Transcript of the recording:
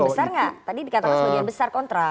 besar nggak tadi dikatakan sebagian besar kontra